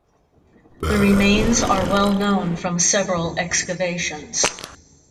The remains are well known from several excavations.